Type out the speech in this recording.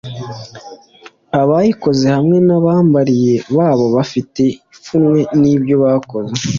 abayikoze hamwe n’abambari babo bafite ipfunwe ry’ibyo bakoze